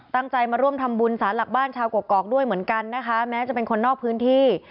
ตั้งใจมาร่วมทำบุญสารหลักบ้านชาวกกอกด้วยเหมือนกันนะคะแม้จะเป็นคนนอกพื้นที่